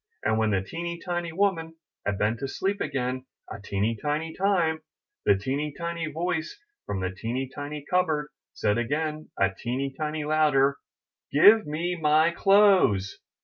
And when the teeny tiny woman had been to sleep again a teeny tiny time, the teeny tiny voice from the teeny tiny cupboard said again a teeny tiny louder: a Give me my clothes!'